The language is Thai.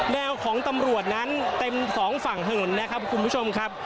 แนวของตำรวจนั้นเต็มสองฝั่งถนนนะครับคุณผู้ชมครับ